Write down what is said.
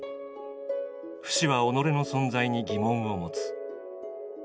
フシは己の存在に疑問を持つ。